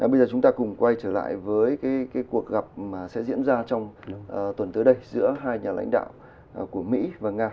bây giờ chúng ta cùng quay trở lại với cái cuộc gặp sẽ diễn ra trong tuần tới đây giữa hai nhà lãnh đạo của mỹ và nga